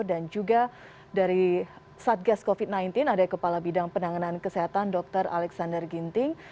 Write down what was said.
dan juga dari satgas covid sembilan belas ada kepala bidang penanganan kesehatan dr alexander ginting